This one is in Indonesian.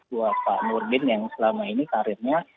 buat pak nurdin yang selama ini karirnya